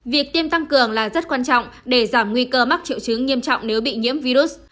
việc tiêm tăng cường là rất quan trọng để giảm nguy cơ mắc triệu chứng nghiêm trọng nếu bị nhiễm virus